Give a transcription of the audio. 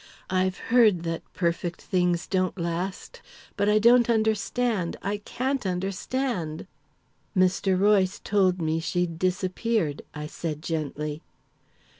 I've heard that perfect things don't last. But I don't understand I can't understand!" "Mr. Royce told me she'd disappeared," I said gently.